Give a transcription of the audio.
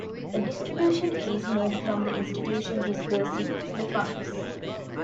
A distribution is made from the institution disbursing the funds.